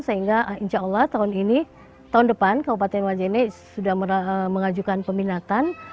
sehingga insya allah tahun ini tahun depan kabupaten majene sudah mengajukan peminatan